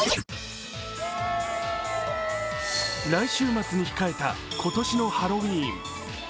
来週末に控えた今年のハロウィーン。